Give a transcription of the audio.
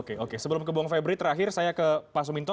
oke oke sebelum ke bung febri terakhir saya ke pak suminto